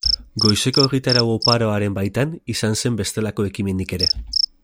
Goizeko egitarau oparoaren baitan, izan zen bestelako ekimenik ere.